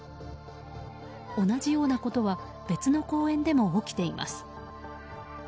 同じようなことは別の公園でも起きています。